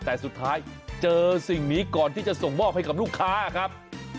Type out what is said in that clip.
แต่สุดท้ายเจอสิ่งนี้ก่อนที่จะส่งมอบให้กับลูกค้าครับ